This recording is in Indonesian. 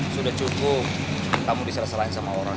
sudah cukup kamu diselesaikan sama orang